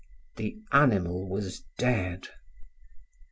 The animal was dead.